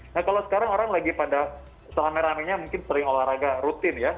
nah kalau sekarang orang lagi pada selama ramenya mungkin sering olahraga rutin ya